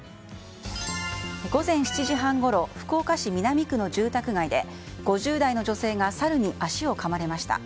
午前７時半ごろ福岡市南区の住宅街で５０代の女性がサルに足をかまれました。